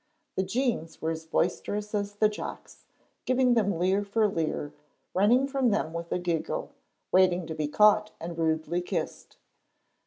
The Jeans were as boisterous as the Jocks, giving them leer for leer, running from them with a giggle, waiting to be caught and rudely kissed.